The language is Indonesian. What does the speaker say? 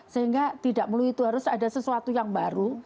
sehingga tidak melu itu harus ada sesuatu yang baru